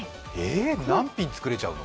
何品作れちゃうの？